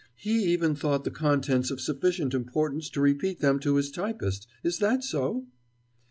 He even thought the contents of sufficient importance to repeat them to his typist? Is that so?"